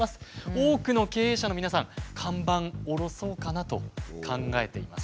多くの経営者の皆さん看板下ろそうかなと考えています。